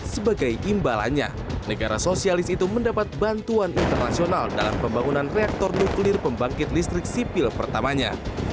sebagai imbalannya negara sosialis itu mendapat bantuan internasional dalam pembangunan reaktor nuklir pembangkit listrik sipil pertamanya